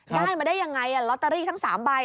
ได้มาได้ยังไงลอตเตอรี่ทั้ง๓ใบ